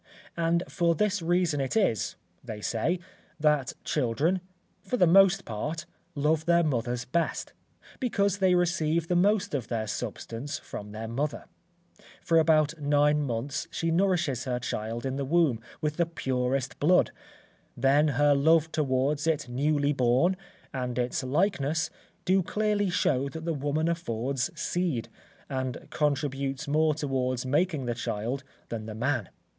And for this reason it is, they say, that children, for the most part, love their mothers best, because they receive the most of their substance from their mother; for about nine months she nourishes her child in the womb with the purest blood; then her love towards it newly born, and its likeness, do clearly show that the woman affords seed, and contributes more towards making the child than the man.